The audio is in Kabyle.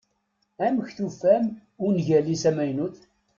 Amek tufam ungal-is amaynut?